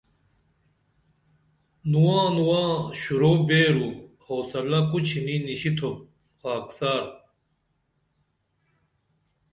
نواں نواں شروع بیرو حوصلہ کوچھینی نِشتُھوپ خاکسار